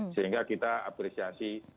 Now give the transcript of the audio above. sehingga kita apresiasi